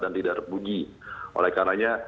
dan tidak repuji oleh karenanya